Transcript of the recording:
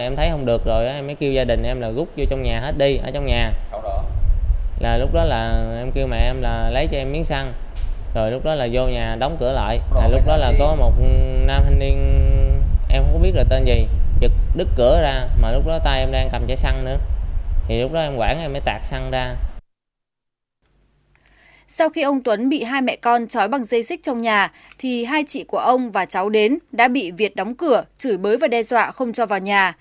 khi anh phan huy bắc đến em mới kêu gia đình em là gúc vô trong nhà hết đi ở trong nhà lúc đó là em kêu mẹ em là lấy cho em miếng xăng rồi lúc đó là vô nhà đóng cửa lại lúc đó là có một nam thanh niên em không biết là tên gì đứt cửa ra mà lúc đó tay em đang cầm chạy xăng nữa thì lúc đó em quảng em mới tạc xăng ra